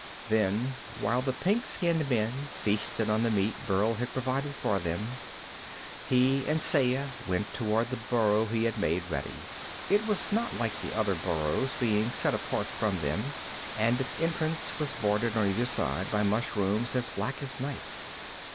Then, while the pink skinned men feasted on the meat Burl had provided for them, he and Saya went toward the burrow he had made ready. It was not like the other burrows, being set apart from them, and its entrance was bordered on either side by mushrooms as black as night.